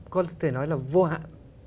có thể nói là vô hạn